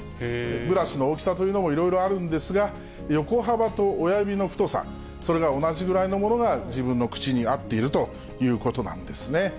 ブラシの大きさというのもいろいろあるんですが、横幅と親指の太さ、それが同じぐらいのものが自分の口に合っているということなんですね。